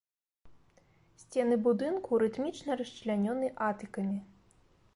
Сцены будынку рытмічна расчлянёны атыкамі.